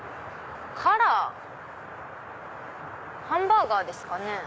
ハンバーガーですかね。